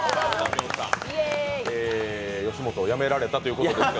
吉本を辞められたということですが。